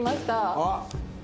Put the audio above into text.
あっ！